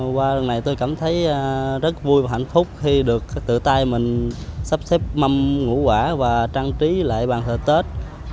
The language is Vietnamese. qua lần này tôi cảm thấy rất vui và hạnh phúc khi được tự tay mình sắp xếp mâm ngũ quả và trang trí lại bàn thờ tết